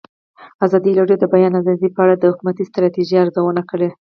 ازادي راډیو د د بیان آزادي په اړه د حکومتي ستراتیژۍ ارزونه کړې.